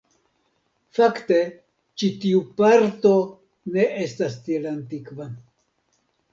Fakte ĉi tiu parto ne estas tiel antikva.